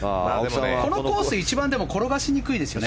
このコース一番転がしにくいですよね。